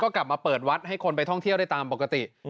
กลับมาเปิดวัดให้คนไปท่องเที่ยวได้ตามปกติ